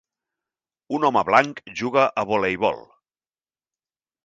Un home blanc juga a voleibol.